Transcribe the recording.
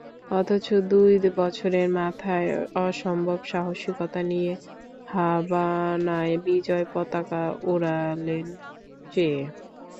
অথচ দুই বছরের মাথায় অসম্ভব সাহসিকতা নিয়ে হাভানায় বিজয় পতাকা ওড়ালেন চে।